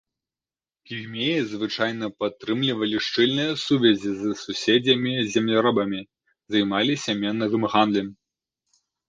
Пігмеі звычайна падтрымлівалі шчыльныя сувязі з суседзямі-земляробамі, займаліся менавым гандлем.